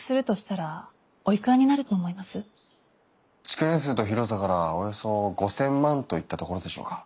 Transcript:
築年数と広さからおよそ５，０００万円といったところでしょうか。